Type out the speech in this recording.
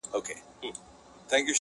کله شاته کله څنګ ته یې کتله!!